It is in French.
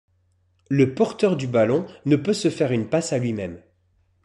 Le porteur du ballon ne peut se faire une passe à lui-même.